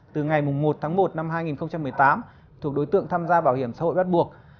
từ ngày một tháng một năm hai nghìn một mươi tám thuộc đối tượng tham gia bảo hiểm xã hội bắt buộc